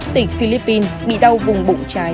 tịch philippines bị đau vùng bụng trái